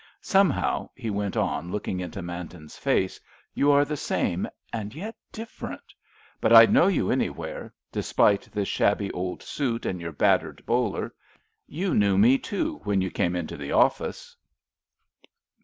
Somehow," he went on, looking into Manton's face, "you are the same and yet different, but I'd know you anywhere, despite this shabby old suit and your battered bowler. You knew me, too, when you came into the office."